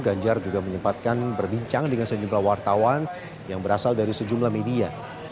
ganjar juga menyempatkan berbincang dengan sejumlah wartawan yang berasal dari sejumlah media